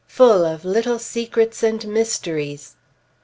Full of little secrets and mysteries.